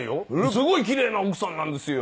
すごい奇麗な奥さんなんですよ。